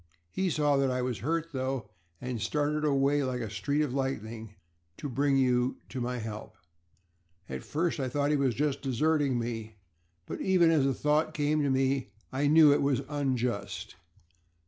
He saw that I was hurt, though, and started away like a streak of lightning to bring you to my help. At first I thought that he was deserting me, but even as the thought came to me I knew it was unjust.